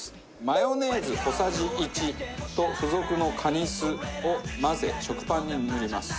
マヨネーズ小さじ１と付属のカニ酢を混ぜ食パンに塗ります。